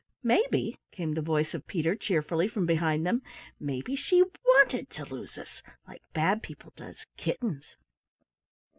"Maybe" came the voice of Peter cheerfully from behind them "maybe she wanted to lose us, like bad people does kittens."